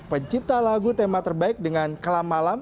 pencipta lagu tema terbaik dengan kelam malam